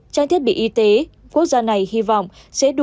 trang thiết bị y tế quốc gia này hy vọng sẽ đủ